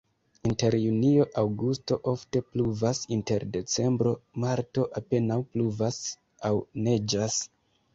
Inter junio-aŭgusto ofte pluvas, inter decembro-marto apenaŭ pluvas aŭ neĝas.